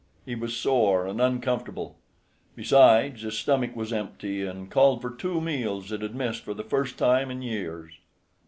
He was sore and uncomfortable. Besides, his stomach was empty, and called for two meals it had missed for the first time in years.